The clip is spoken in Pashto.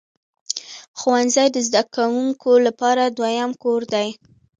ښوونځی د زده کوونکو لپاره دویم کور دی.